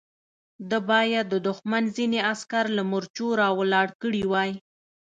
ده بايد د دښمن ځينې عسکر له مورچو را ولاړ کړي وای.